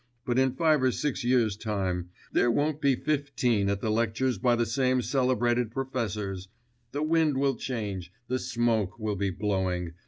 but in five or six years' time there won't be fifteen at the lectures by the same celebrated professors; the wind will change, the smoke will be blowing